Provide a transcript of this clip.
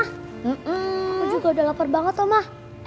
aku juga udah lapar banget mama